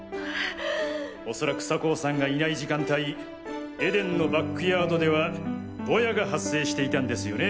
おそらく酒匂さんが居ない時間帯ＥＤＥＮのバックヤードではボヤが発生していたんですよね